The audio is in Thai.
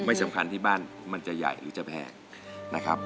สำคัญที่บ้านมันจะใหญ่หรือจะแพงนะครับ